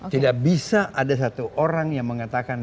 tidak bisa ada satu orang yang mengatakan